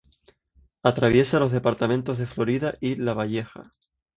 Atraviesa los departamentos de Florida y Lavalleja.